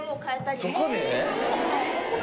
そこで！？